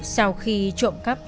sau khi trộm cắp